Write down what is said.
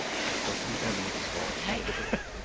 ３対２、メキシコ。